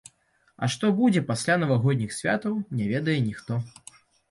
А што будзе пасля навагодніх святаў, не ведае ніхто.